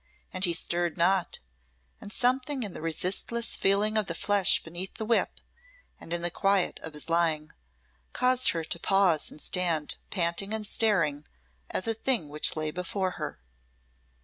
And he stirred not and something in the resistless feeling of the flesh beneath the whip, and in the quiet of his lying, caused her to pause and stand panting and staring at the thing which lay before her.